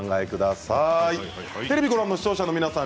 テレビをご覧の視聴者の皆さん